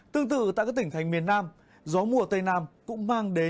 tương tự tại các tỉnh thành miền nam gió mùa tây nam cũng mang đến